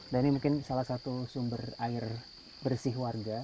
dan ini mungkin salah satu sumber air bersih warga